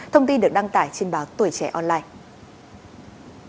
thông tin được đăng tải trên báo tuổi trẻ online